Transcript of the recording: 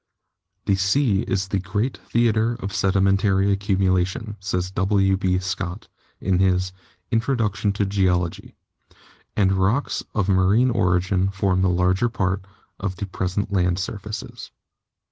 "The sea is the great theater of sedimentary accumu lation/' says W. B. Scott in his 'Introduction to Geology/ "and rocks of marine origin form the larger part of the RECONSTRUCTIVE PROCESSES 155 present land surfaces.